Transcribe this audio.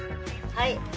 はい！